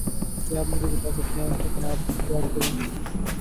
کیا آپ مجھے بتا سکتے ہے کہ میں اب کیا کروں؟